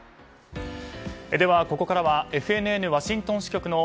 では、ここからはＦＮＮワシントン支局の